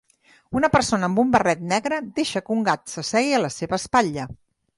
Una persona amb un barret negre deixa que un gat s'assegui a la seva espatlla.